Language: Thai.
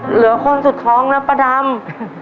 เหลือคนสุดท้องนะป้าดำ